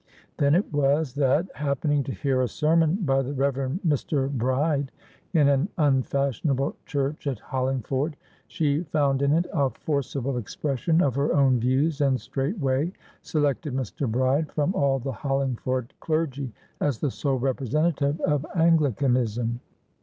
Then it was that, happening to hear a sermon by the Rev. Mr. Bride in an unfashionable church at Hollingford, she found in it a forcible expression of her own views, and straight way selected Mr. Bride from all the Hollingford clergy as the sole representative of Anglicanism.